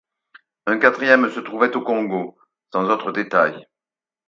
Un quatrième se trouverait au Congo, sans autre détail.